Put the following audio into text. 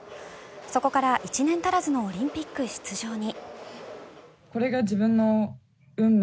そこから１年足らずのオリンピック出場に。